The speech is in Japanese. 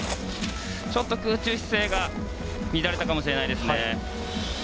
ちょっと空中姿勢が乱れたかもしれないです。